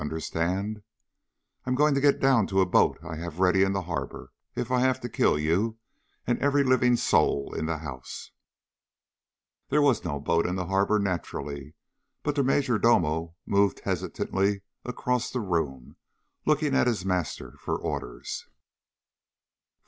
Understand? I'm going to get down to a boat I have ready in the harbor if I have to kill you and every living soul in the house!" There was no boat in the harbor, naturally. But the major domo moved hesitantly across the room, looking at his master for orders.